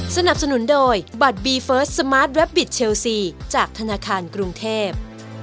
สนับสนุนโดยบัตรบีเฟิร์สสมาร์ทแวบบิตเชลซีจากธนาคารกรุงเทพ